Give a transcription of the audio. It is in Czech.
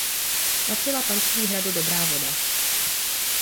Patřila panství hradu Dobrá Voda.